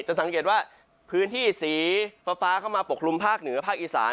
สังเกตว่าพื้นที่สีฟ้าเข้ามาปกคลุมภาคเหนือภาคอีสาน